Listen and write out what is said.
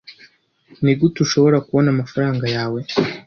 Nigute ushobora kubona amafaranga yawe?